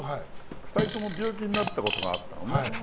２人とも病気になったことがあったのね。